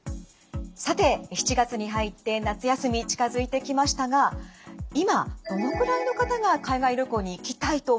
さて７月に入って夏休み近づいてきましたが今どのぐらいの方が海外旅行に行きたいと思っていると思いますか？